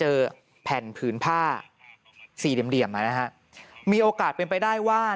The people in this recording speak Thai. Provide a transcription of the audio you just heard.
หลังจากพบศพผู้หญิงปริศนาตายตรงนี้ครับ